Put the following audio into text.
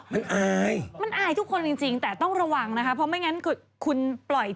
เปล่าให้ทิ้งไว้จะมาหาคุณหมอระยะ๒ระยะ๓